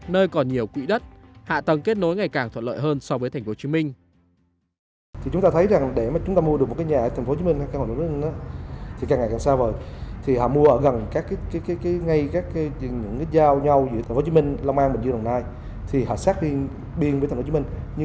nơi còn nhiều quỹ đất hạ tầng kết nối ngày càng thuận lợi hơn so với tp hcm